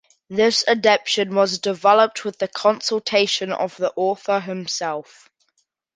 This adaptation was developed with the consultation of the author himself.